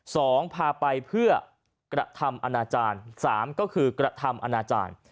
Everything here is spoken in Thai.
พาไปเพื่อกระทำอนาจารย์สามก็คือกระทำอนาจารย์